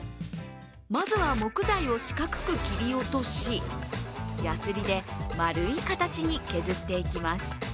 まずは木材を四角く切り落としやすりで丸い形に削っていきます。